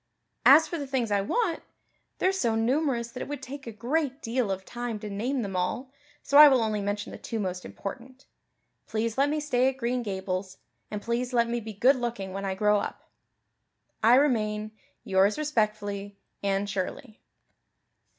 As for the things I want, they're so numerous that it would take a great deal of time to name them all so I will only mention the two most important. Please let me stay at Green Gables; and please let me be good looking when I grow up. I remain, "Yours respectfully, Anne Shirley.